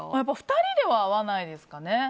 ２人では会わないですかね。